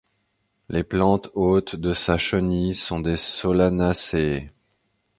Les plantes hôtes de sa chenille sont des Solanaceae.